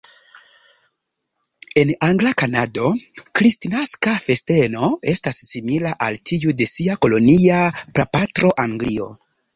En angla Kanado, kristnaska festeno estas simila al tiu de sia kolonia prapatro, Anglio.